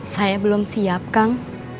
saya belum siap kang